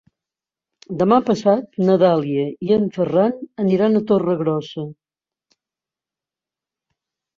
Demà passat na Dàlia i en Ferran aniran a Torregrossa.